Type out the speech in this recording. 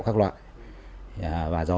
các loại và do